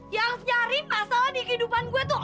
yang harus nyari masalah di kehidupan gue tuh